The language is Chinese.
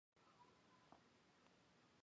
是一部由华特迪士尼制作的动画电影。